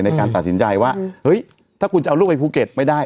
ในการตัดสินใจว่าเฮ้ยถ้าคุณจะเอาลูกไปภูเก็ตไม่ได้